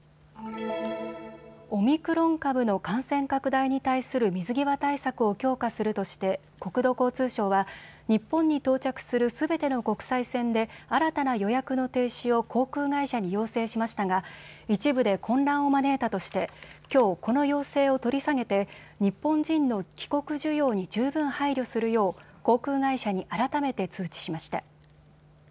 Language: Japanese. オミクロン株の感染拡大に対する水際対策を強化するとして国土交通省は日本に到着するすべての国際線で新たな予約の停止を航空会社に要請しましたが一部で混乱を招いたとしてきょう、この要請を取り下げて日本人の帰国需要に十分配慮するよう航空会社に改めて通知しました。